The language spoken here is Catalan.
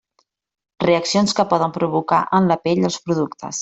Reaccions que poden provocar en la pell els productes.